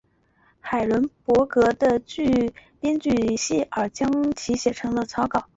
海伦伯格和编剧希尔将其写成了草稿。